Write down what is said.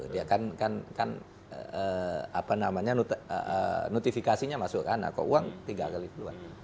dia kan kan kan apa namanya notifikasinya masuk ke anak kok uang tiga x keluar